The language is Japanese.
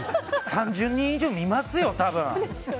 ３０人以上見ますよ、多分。